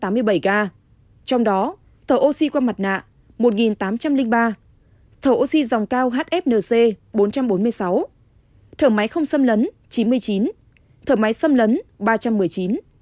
trong đó thở oxy qua mặt nạ một tám trăm linh ba thở oxy dòng cao hfnc bốn trăm bốn mươi sáu thở máy không xâm lấn chín mươi chín thở máy xâm lấn ba trăm một mươi chín